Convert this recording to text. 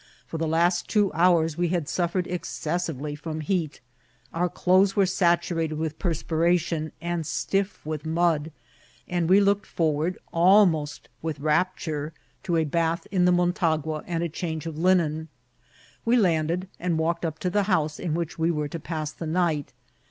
For the last two hours we had suffered excessively from heat ; our clothes were saturated with perspiration and stiff with mud, and we looked forward almost with rapture to a bath in the Motagua and a change of linen. We land ed, and walked up to the house in which we were to pass the night.